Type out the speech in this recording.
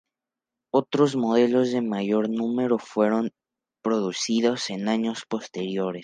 Otros modelos de mayor número fueron producidos en años posteriores.